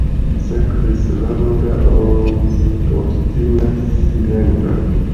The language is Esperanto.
Sekvis longa, obstina silento.